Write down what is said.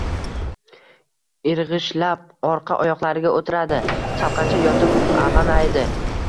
Irg`ishlab orqa oyoqlariga o`tiradi; chalqancha yotib, ag`anaydi